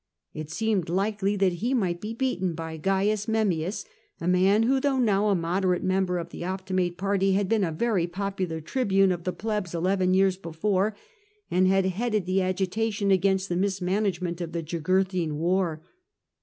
It seemed likely that he might be beaten by Cains Memmius, a man who, though now a moderate member of the Optimate party, had been a very popular Tribune of the Plebs eleven years before, and had headed the agitation against the mismanagement of the Jugurthine war.